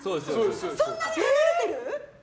そんなに離れてる？